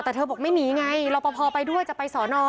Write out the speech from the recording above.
แต่เธอบอกไม่หนีไงรอปภไปด้วยจะไปสอนอ